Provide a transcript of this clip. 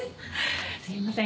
「すいません。